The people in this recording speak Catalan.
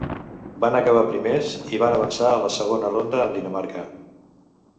Van acabar primers i van avançar a la següent ronda amb Dinamarca.